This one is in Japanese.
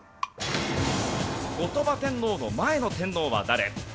後鳥羽天皇の前の天皇は誰？